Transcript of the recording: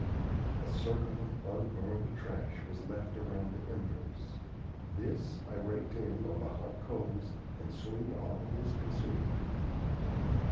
A circle of unburned brush was left around the embers. This I raked in on the hot coals, and soon all was consumed.